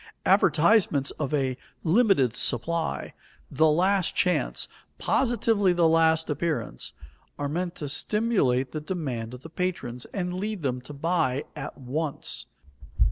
Advertisements of "a limited supply," "the last chance," "positively the last appearance," are meant to stimulate the demand of the patrons, and to lead them to buy at once.